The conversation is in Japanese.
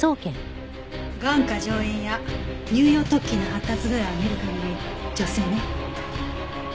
眼窩上縁や乳様突起の発達具合を見る限り女性ね。